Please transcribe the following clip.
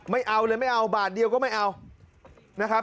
ไม่เอาเลยไม่เอาบาทเดียวก็ไม่เอานะครับ